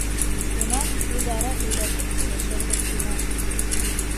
Шунан үҙ-ара һөйләшеп килешербеҙ, — тине.